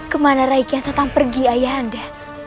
kemana raimu kian santra pergi ayah anda